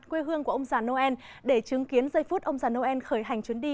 quê hương của ông già noel để chứng kiến giây phút ông già noel khởi hành chuyến đi